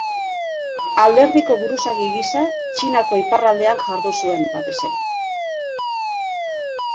Alderdiko buruzagi gisa, Txinako iparraldean jardun zuen, batez ere.